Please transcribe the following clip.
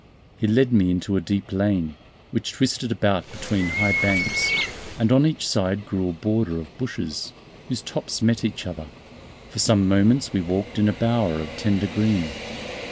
He led me into a deep lane, which twisted about between high banks; and on each side grew a border of bushes, whose tops met each other. For some moments we walked in a bower of tender green.